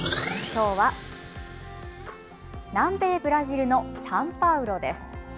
きょうは、南米ブラジルのサンパウロです。